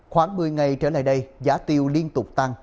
khoảng một mươi ngày trở lại đây giá tiêu liên tục tăng